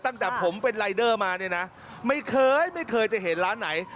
ตั้งแต่ผมเป็นรายเดอร์มาเนี่ยนะไม่เคยไม่เคยจะเห็นร้านไหน